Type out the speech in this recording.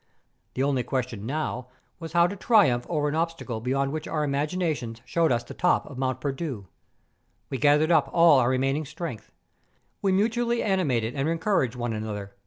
The only question now, was how to triumph over an obstacle beyond which our ima¬ ginations showed us the top of Mont Perdu. We gathered up all our remaining strength. We mutu¬ ally animated and encouraged one another.